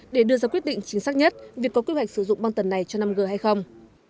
để đưa ra quyết định chính xác nhất việc có quy hoạch sử dụng băng tần này cho năm g hay không